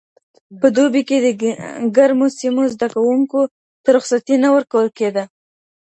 په دوبي کي د ګرمو سیمو زده کوونکو ته رخصتي نه ورکول کيده.